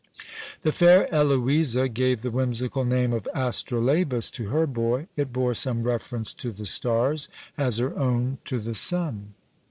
The fair Eloisa gave the whimsical name of Astrolabus to her boy; it bore some reference to the stars, as her own to the sun.